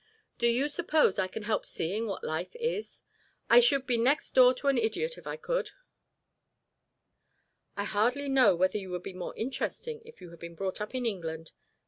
Do you suppose I can help seeing what life is? I should be next door to an idiot if I could." "I hardly know whether you would be more interesting if you had been brought up in England.